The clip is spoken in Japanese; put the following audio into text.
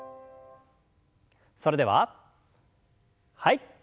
それでははい。